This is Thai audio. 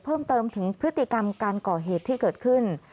เพิ่มเติมถึงพฤติกรรมการก่อเหตุที่เกิดขึ้น